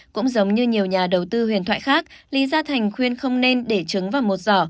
cũng giống như nhiều nhà đầu tư huyền thoại khác lý gia thành khuyên không nên để trứng vào một giỏ